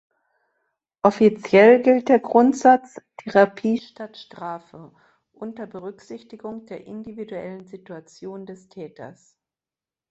Offiziell gilt der Grundsatz "Therapie statt Strafe", unter Berücksichtigung der individuellen Situation des Täters.